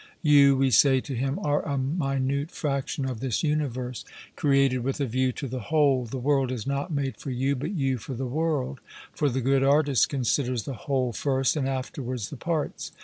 You, we say to him, are a minute fraction of this universe, created with a view to the whole; the world is not made for you, but you for the world; for the good artist considers the whole first, and afterwards the parts.